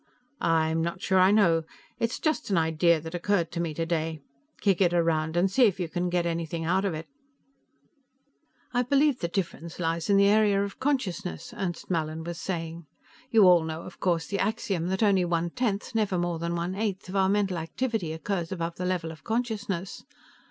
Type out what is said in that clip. "I'm not sure I know. It's just an idea that occurred to me today. Kick it around and see if you can get anything out of it." "I believe the difference lies in the area of consciousness," Ernst Mallin was saying. "You all know, of course, the axiom that only one tenth, never more than one eighth, of our mental activity occurs above the level of consciousness.